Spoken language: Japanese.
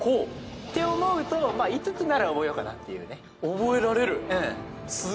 って思うと５つなら覚えようかなっていうね。